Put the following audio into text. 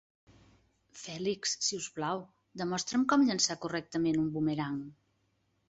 Félix, si us plau, demostra'm com llançar correctament un bumerang.